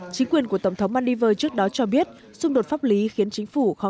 chính quyền của tổng thống maldiver trước đó cho biết xung đột pháp lý khiến chính phủ khó